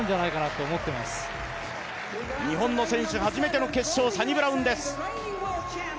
日本の選手初めての決勝、サニブラウンです。